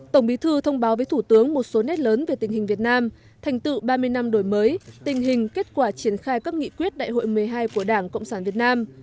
tổng bí thư thông báo với thủ tướng một số nét lớn về tình hình việt nam thành tựu ba mươi năm đổi mới tình hình kết quả triển khai các nghị quyết đại hội một mươi hai của đảng cộng sản việt nam